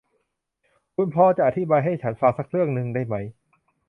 คุณพอจะอธิบายให้ฉันฟังสักเรื่องนึงได้ไหม ?